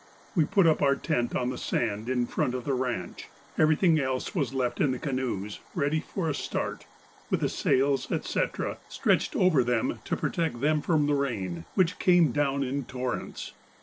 We put up our tent on the sand in front of the ranche; everything else was left in the canoes ready for a start, with the sails, etc., stretched over them to protect them from the rain, which came down in torrents.